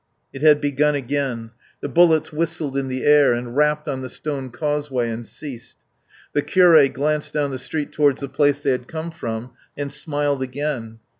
It had begun again. The bullets whistled in the air and rapped on the stone causeway, and ceased. The curé glanced down the street towards the place they had come from and smiled again.